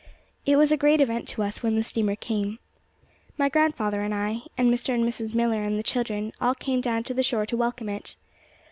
It was a great event to us when the steamer came. My grandfather and I, and Mr. and Mrs. Millar and the children, all came down to the shore to welcome it.